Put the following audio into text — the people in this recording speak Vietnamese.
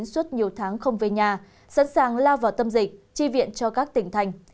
suốt nhiều tháng không về nhà sẵn sàng lao vào tâm dịch chi viện cho các tỉnh thành